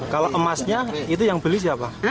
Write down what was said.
kalau emasnya itu yang beli siapa